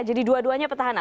jadi dua duanya petahana